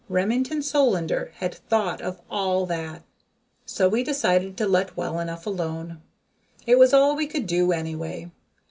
Remington Solander had thought of all that. So we decided to let well enough alone it was all we could do anyway.